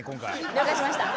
了解しました。